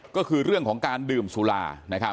ทีมข่าวเราก็พยายามสอบปากคำในแหบนะครับ